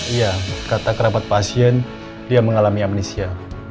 iya kata kerabat pasien dia mengalami amnesia